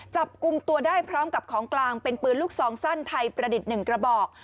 จับกลุ่มตัวได้พร้อมกับของกลางเป็นปืนลูกซองสั้นไทยประดิษฐ์๑กระบอก